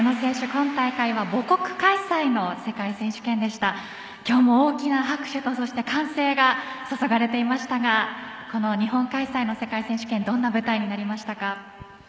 今大会は母国開催の世界選手権でした今日も大きな拍手と歓声がそそがれていましたがこの日本開催の世界選手権どんな舞台になりましたか？